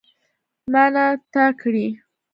ما نه تا کړی.